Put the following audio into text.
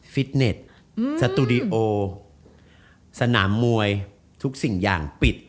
ฟิตเน็ตสตูดิโอสนามมวยทุกสิ่งอย่างปิด